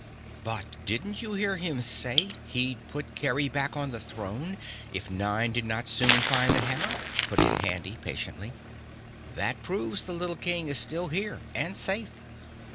"But didn't you hear him say he'd put Kerry back on the throne if Nine did not soon find the hammer?" put in Handy patiently. "That proves the little King is still here, and safe.